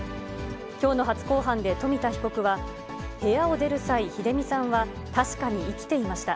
きょうの初公判で冨田被告は、部屋を出る際、英美さんは確かに生きていました。